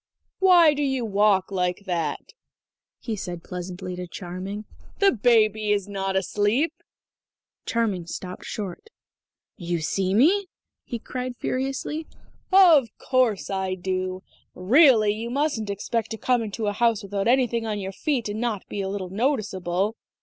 "Why do you walk like that?" he said pleasantly to Charming. "The baby is not asleep." Charming stopped short. "You see me?" he cried furiously. "Of course I do! Really, you mustn't expect to come into a house without anything on your feet and not be a little noticeable.